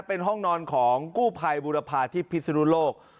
เป็นห้องนอนของกู้ภัยบุรพาที่พิศนุโลก